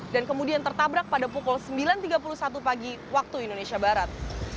dan kemudian tertabrak pada pukul sembilan tiga puluh satu pagi waktu indonesia barat